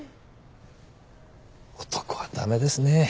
男は駄目ですね。